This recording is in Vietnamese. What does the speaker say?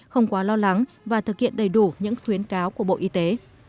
không quá lo lắng và thực hiện đầy đủ những khuyến cáo của bộ y tế